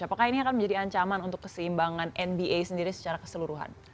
apakah ini akan menjadi ancaman untuk keseimbangan nba sendiri secara keseluruhan